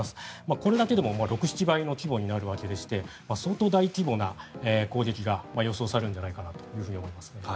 これだけでも６７倍の規模になるわけでして相当大規模な攻撃が予想されるんじゃないかなと思います。